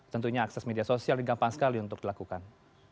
tentunya akses media sosial ini gampang sekali untuk dilakukan